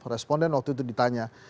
responden waktu itu ditanya